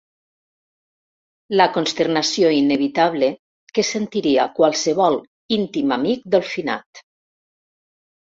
La consternació inevitable que sentiria qualsevol íntim amic del finat.